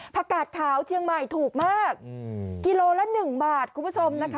กาดขาวเชียงใหม่ถูกมากกิโลละ๑บาทคุณผู้ชมนะคะ